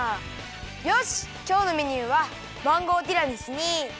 よしきょうのメニューはマンゴーティラミスにきまり！